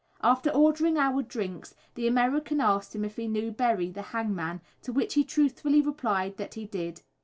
After ordering our drinks the American asked him if he knew Berry, the hangman, to which he truthfully replied that he did.